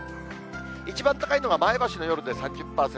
一番高いのが前橋の夜で３０％。